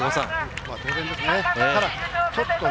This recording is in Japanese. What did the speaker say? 当然ですね。